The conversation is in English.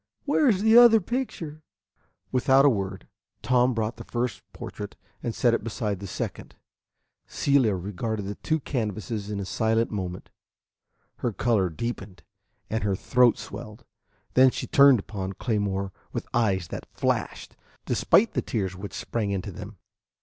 Where is the other picture?" Without a word Tom brought the first portrait and set it beside the second. Celia regarded the two canvases in silence a moment. Her color deepened, and her throat swelled. Then she turned upon Claymore with eyes that flashed, despite the tears which sprang into them.